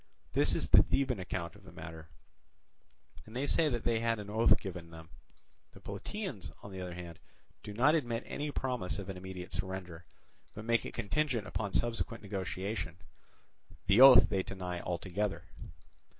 This is the Theban account of the matter, and they say that they had an oath given them. The Plataeans, on the other hand, do not admit any promise of an immediate surrender, but make it contingent upon subsequent negotiation: the oath they deny altogether.